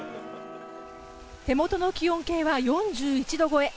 手元の気温計は４１度超え。